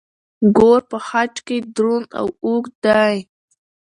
ګور په خج کې دروند او اوږد دی.